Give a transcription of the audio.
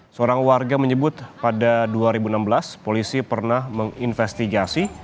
seorang warga menyebut pada dua ribu enam belas polisi pernah menginvestigasi